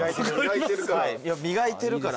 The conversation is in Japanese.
磨いてるから。